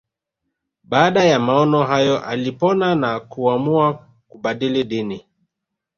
Baada ya maono hayo alipona na kuamua kubadili dini